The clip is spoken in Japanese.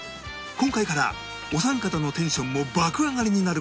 今回からお三方のテンションも爆上がりになる事間違いなしの